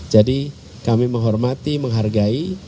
jadi kami menghormati menghargai